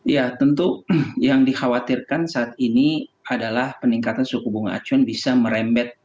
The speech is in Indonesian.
ya tentu yang dikhawatirkan saat ini adalah peningkatan suku bunga acuan bisa merembet